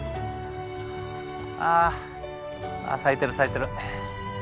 あ咲いてる咲いてる。